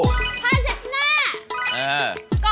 ผ้าเช็ดหน้า